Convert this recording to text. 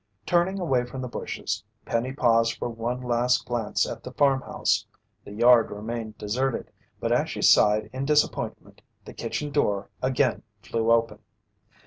Turning away from the bushes, Penny paused for one last glance at the farmhouse. The yard remained deserted. But as she sighed in disappointment, the kitchen door again flew open.